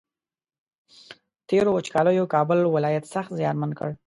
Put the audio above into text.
تېرو وچکالیو کابل ولایت سخت زیانمن کړ